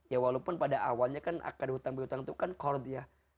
ya walaupun pada awalnya kan akad hutang pihutang itu kan core ya